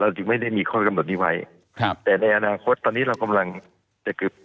จึงไม่ได้มีข้อกำหนดนี้ไว้ครับแต่ในอนาคตตอนนี้เรากำลังจะคือ